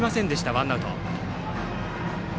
ワンアウト。